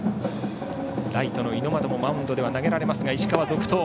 ライトの猪俣もマウンドでは投げられますが石川続投。